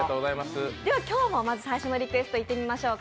今日のまず最初のリクエストにいってみましょう。